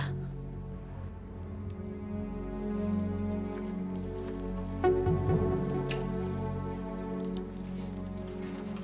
sampai nanti bu